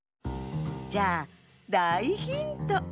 じゃあだいヒント！